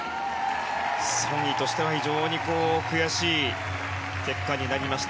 ソン・イとしては非常に悔しい結果になりました。